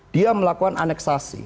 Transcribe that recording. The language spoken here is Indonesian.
dia melakukan aneksasi